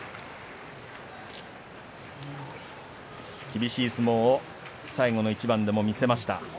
厳しい相撲を最後の一番でも見せました。